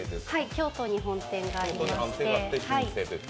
京都に本店がありまして。